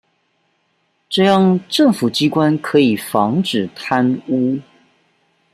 這樣政府機關可以防止貪污